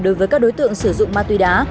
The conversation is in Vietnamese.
đối với các đối tượng sử dụng ma túy đá